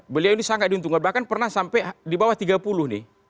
beliau ini sangat diuntungkan bahkan pernah sampai di bawah tiga puluh nih